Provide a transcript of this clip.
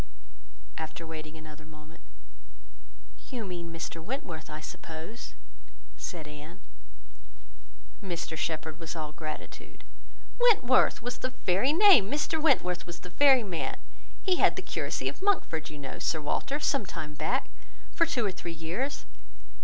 After waiting another moment— "You mean Mr Wentworth, I suppose?" said Anne. Mr Shepherd was all gratitude. "Wentworth was the very name! Mr Wentworth was the very man. He had the curacy of Monkford, you know, Sir Walter, some time back, for two or three years.